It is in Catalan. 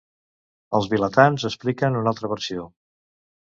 Els vilatans expliquen una altra versió.